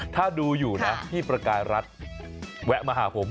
ถ้าดูอยู่นะพี่ประกายรัฐแวะมาหาผม